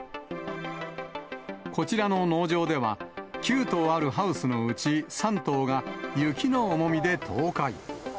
こちらの農場では、９棟あるハウスのうち３棟が、雪の重みで倒壊。